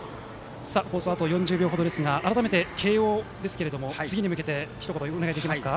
放送はあと４０秒程ですが改めて、慶応について次に向けてひと言お願いできますか。